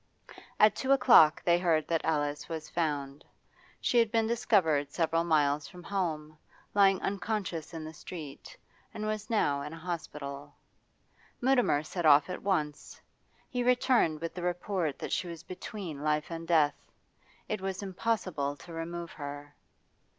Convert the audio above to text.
At two o'clock they heard that Alice was found. She had been discovered several miles from home, lying unconscious in the street, and was now in a hospital. Mutimer set off at once; he returned with the report that she was between life and death. It was impossible to remove her.